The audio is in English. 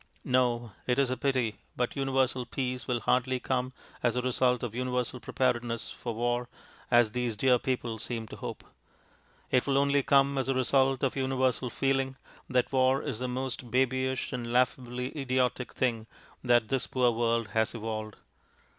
No; it is a pity, but Universal Peace will hardly come as the result of universal preparedness for war, as these dear people seem to hope. It will only come as the result of a universal feeling that war is the most babyish and laughably idiotic thing that this poor world has evolved.